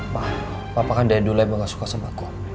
ma papa kan daya dulai bahkan gak suka sama aku